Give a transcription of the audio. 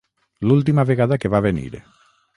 L'última vegada que va venir.